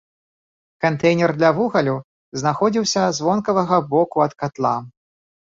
Кантэйнер для вугалю знаходзіўся з вонкавага боку ад катла.